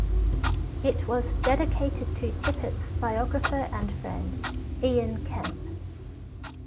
It was dedicated to Tippett's biographer and friend, Ian Kemp.